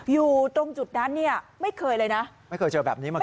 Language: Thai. อยู่ตรงจุดนั้นเนี่ยไม่เคยเลยนะไม่เคยเจอแบบนี้มาก่อน